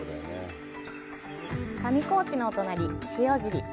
上高地のお隣、塩尻市。